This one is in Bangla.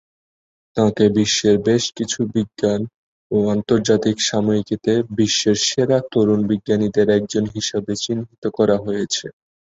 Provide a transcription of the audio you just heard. তাঁকে বিশ্বের বেশ কিছু বিজ্ঞান ও আন্তর্জাতিক সাময়িকীতে বিশ্বের সেরা তরুণ বিজ্ঞানীদের একজন হিসেবে চিহ্নিত করা হয়েছে।